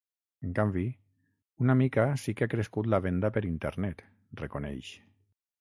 En canvi, “una mica sí que ha crescut la venda per internet”, reconeix.